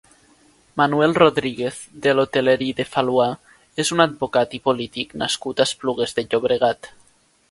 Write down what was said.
Manuel Rodríguez de l'Hotellerie de Fallois és un advocat i polític nascut a Esplugues de Llobregat.